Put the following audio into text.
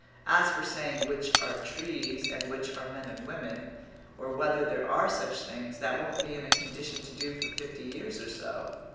As for saying which are trees, and which are men and women, or whether there are such things, that one won't be in a condition to do for fifty years or so.